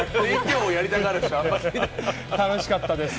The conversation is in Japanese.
楽しかったですよ。